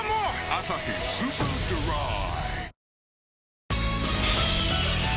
「アサヒスーパードライ」